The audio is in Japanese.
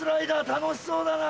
楽しそうだね。